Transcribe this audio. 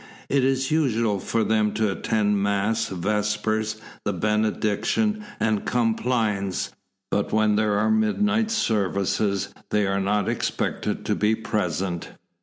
It is usual for them to attend Mass, Vespers, the Benediction and Complines, but when there are midnight services they are not expected to be present.